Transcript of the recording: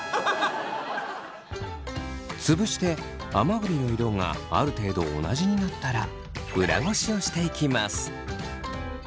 つぶして甘栗の色がある程度同じになったら裏ごしをしていきます。